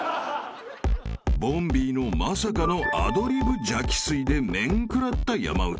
［ボンビーのまさかのアドリブ邪気吸いで面食らった山内］